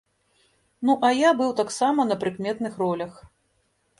Ну, а я быў таксама на прыкметных ролях.